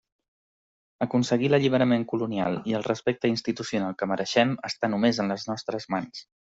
Aconseguir l'alliberament colonial i el respecte institucional que mereixem està només en les nostres mans.